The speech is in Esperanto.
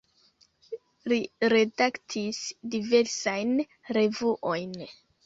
Li redaktis diversajn revuojn.